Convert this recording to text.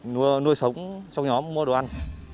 nuôi sống trong nhóm mua đồ ăn